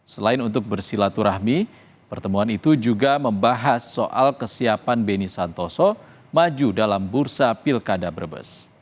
selain untuk bersilaturahmi pertemuan itu juga membahas soal kesiapan beni santoso maju dalam bursa pilkada brebes